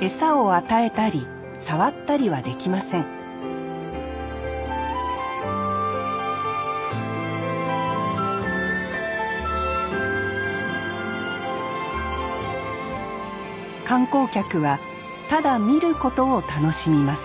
餌を与えたり触ったりはできません観光客はただ見ることを楽しみます